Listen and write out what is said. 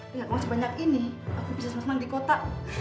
dengan uang sebanyak ini aku bisa senang di kota